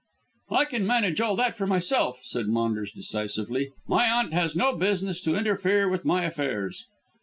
"I can manage all that for myself," said Maunders decisively; "my aunt has no business to interfere with my affairs."